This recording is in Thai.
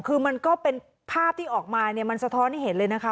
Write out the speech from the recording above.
คือมันก็เป็นภาพที่ออกมาเนี่ยมันสะท้อนให้เห็นเลยนะคะ